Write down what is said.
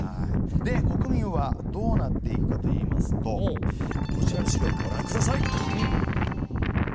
で国民はどうなっていくかといいますとこちらの資料ごらんください！